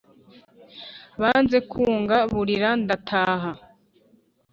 Banze kunga burira ndataha